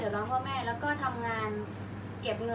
อันไหนที่มันไม่จริงแล้วอาจารย์อยากพูด